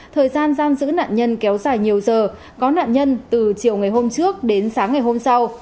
thời gian giam giữ nạn nhân kéo dài nhiều giờ có nạn nhân từ chiều ngày hôm trước đến sáng ngày hôm sau